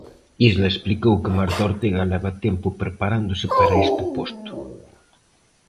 Isla explicou que Marta Ortega leva tempo preparándose para este posto.